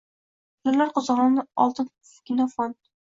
Kelinlar qo‘zg‘oloni oltin kino fond.